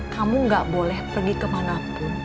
kamu gak boleh pergi kemanapun